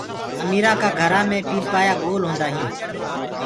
اميرآ ڪآ گھرآ مي پيٚلپآيآ گول هوندآ هين۔